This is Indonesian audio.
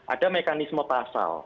ada mekanisme pasal